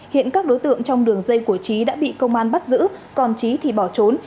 hiện các đối tượng trong đường dây của trí đã bị công an bắt giữ còn trí thì bỏ trốn